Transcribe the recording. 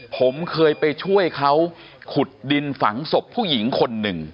ผมเคยไปช่วยเขาขุดดินฝังศพผู้หญิงคนหนึ่ง